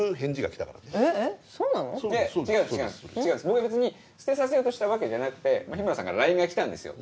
僕は別に捨てさせようとしたわけじゃなくて日村さんからラインが来たんですよ